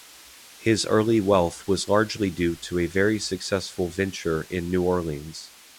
His early wealth was largely due to a very successful venture in New Orleans.